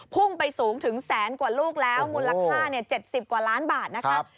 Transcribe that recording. พุ่งไปสูงถึงแสนกว่าลูกแล้วมูลค่า๗๐กว่าล้านบาทนะครับ